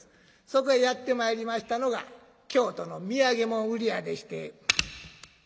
そこへやって参りましたのが京都の土産物売り屋でして。